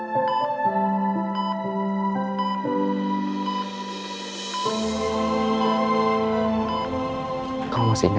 kita kan udah janji kat